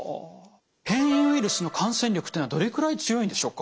変異ウイルスの感染力っていうのはどれくらい強いんでしょうか？